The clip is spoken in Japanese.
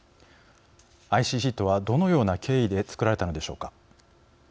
ＩＣＣとは、どのような経緯でつくられたのでしょうか。